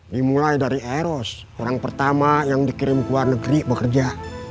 dimulai dari aeros orang pertama yang dikirim ke luar negeri bekerja